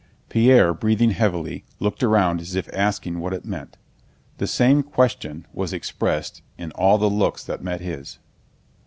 Pierre, breathing heavily, looked around as if asking what it meant. The same question was expressed in all the looks that met his.